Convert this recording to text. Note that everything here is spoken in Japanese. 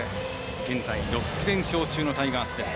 現在６連勝中のタイガースです。